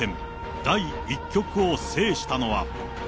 第１局を制したのは。